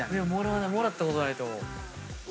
もらったことないと思う。